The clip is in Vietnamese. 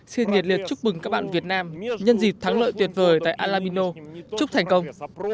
xin nhiệt liệt chúc mừng các bạn việt nam nhân dịp thắng lợi tuyệt vời tại alamino chúc thành công